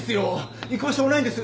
行く場所もないんです。